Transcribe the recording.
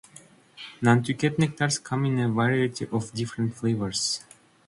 Nantucket Nectars come in a variety of different flavors.